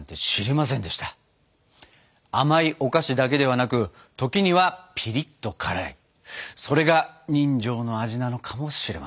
甘いお菓子だけではなく時にはピリッと辛いそれが人情の味なのかもしれません。